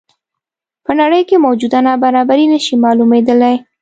په نړۍ کې موجوده نابرابري نه شي معلومېدلی.